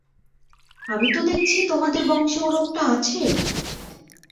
আমি তো দেখছি তোমাদের বংশে ও রোগটা আছে।